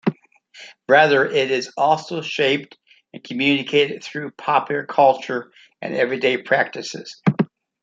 Rather, it is also shaped and communicated through popular culture and everyday practices.